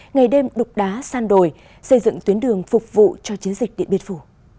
ngày đêm đục đá san đổi xây dựng tuyến đường phục vụ cho chiến dịch điện biên phủ